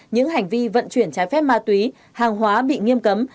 những hành vi vận chuyển trái phép ma túy hàng hóa bị nghiêm cấm